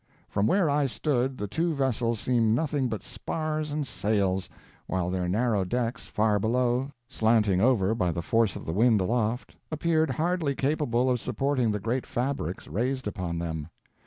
From where I stood, the two vessels seemed nothing but spars and sails, while their narrow decks, far below, slanting over by the force of the wind aloft, appeared hardly capable of supporting the great fabrics raised upon them.